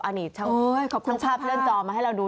อันนี้ช่างภาพเลื่อนจอมาให้เราดู